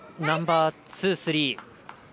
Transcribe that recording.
ナンバーツー、スリー。